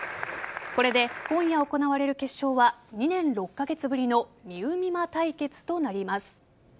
これで今夜行われる決勝は２年６カ月ぶりのみうみま対決となります。